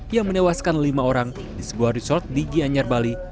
yang menewaskan lima orang di sebuah resort di gianyar bali